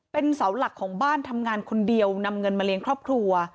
เป็นเสาหลักของบ้านทำงานคนเดียวนำเงินมาเลี้ยงครอบครัว